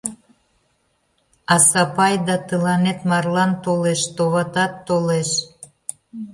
А Сапайда тыланет марлан толеш, товатат, толеш!